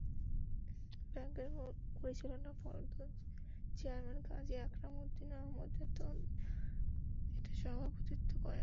ব্যাংকের পরিচালনা পর্ষদের চেয়ারম্যান কাজী আকরাম উদ্দিন আহমদ এতে সভাপতিত্ব করেন।